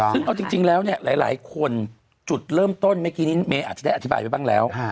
ซึ่งเอาจริงแล้วเนี่ยหลายคนจุดเริ่มต้นเมื่อกี้นี้เมย์อาจจะได้อธิบายไว้บ้างแล้ว